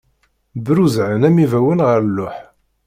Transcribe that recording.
Bruzzɛen am ibawen ɣef lluḥ.